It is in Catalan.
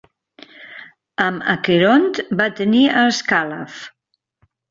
Amb Aqueront va tenir a Ascàlaf.